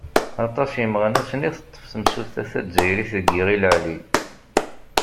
Aṭas imeɣnasen i teṭṭef temsulta tazzayrit deg Iɣil Ɛli.